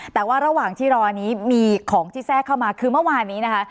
แต่ว่าระหว่างที่รอนี้มีของที่แทรกเข้ามาคือเมื่อวานนี้นะคะ